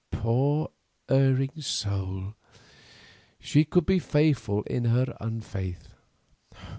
Poor erring soul, she could be faithful in her unfaith.